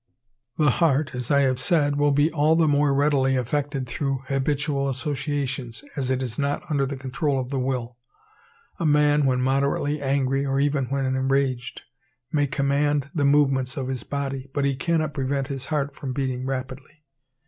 The heart, as I have said, will be all the more readily affected through habitual associations, as it is not under the control of the will. A man when moderately angry, or even when enraged, may command the movements of his body, but he cannot prevent his heart from beating rapidly.